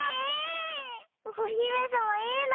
おひめさまいいな。